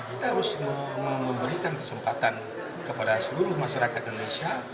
kita harus memberikan kesempatan kepada seluruh masyarakat indonesia